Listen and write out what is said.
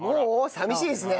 寂しいですね。